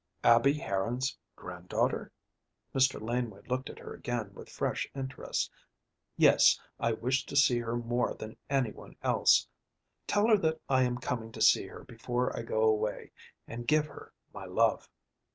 "Abby Harran's granddaughter?" Mr. Laneway looked at her again with fresh interest. "Yes, I wish to see her more than any one else. Tell her that I am coming to see her before I go away, and give her my love.